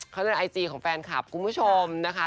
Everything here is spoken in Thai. เขาในไอจีของแฟนคลับคุณผู้ชมนะคะ